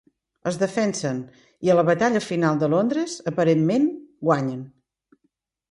Es defensen i, a la batalla final de Londres, aparentment guanyen.